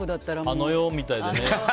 あの世みたいだよね。